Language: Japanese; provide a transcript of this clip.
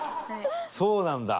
そうなんだ。